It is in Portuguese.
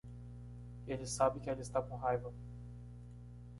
Ele sabe que ela está com raiva.